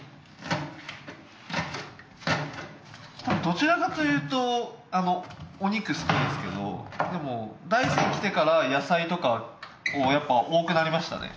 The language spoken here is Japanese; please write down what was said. どちらかというとお肉好きですけどでも大山に来てから野菜とかこうやっぱり多くなりましたね。